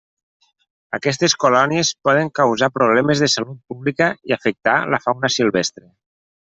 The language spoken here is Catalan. Aquestes colònies poden causar problemes de salut pública i afectar la fauna silvestre.